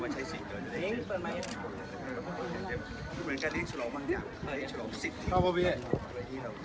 พี่เบิ้ลถามวันนี้เป็นไงครับ